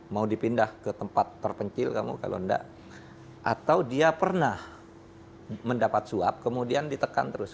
mau dipindah ke tempat terpencil kamu kalau enggak atau dia pernah mendapat suap kemudian ditekan terus